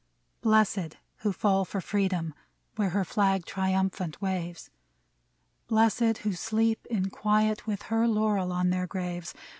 Blessed who fall for Freedom, Where her flag triumphant waves ; Blessed who sleep in quiet. With her laurel on their graves.